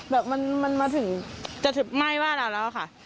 แบบมันมาถึงจะถึงไหม้บ้านเราแล้วค่ะ